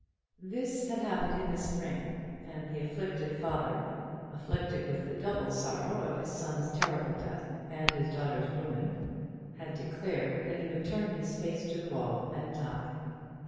This had happened in the spring, and the afflicted father, afflicted with the double sorrow of his son's terrible death and his daughter's ruin, had declared that he would turn his face to the wall and die.